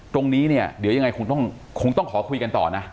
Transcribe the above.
ตรงนี้เนี่ยเดี๋ยวยังไงคงต้องคงต้องขอคุยกันต่อนะ